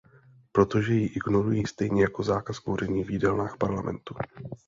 Protože ji ignorují stejně jako zákaz kouření v jídelnách Parlamentu.